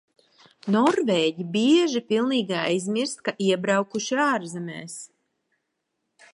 Norvēģi bieži pilnīgi aizmirst, ka iebraukuši ārzemēs.